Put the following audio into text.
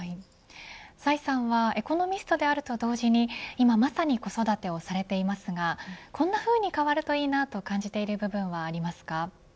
崔さんはエコノミストであると同時に今まさに子育てもされていますがこんなふうに変わるといいなと感じている部分はありますか。